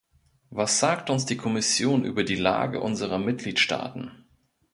Was sagt uns die Kommission über die Lage unserer Mitgliedstaaten?